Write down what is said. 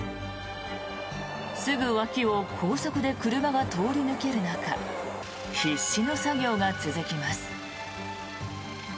すぐ脇を高速で車が通り抜ける中必死の作業が続きます。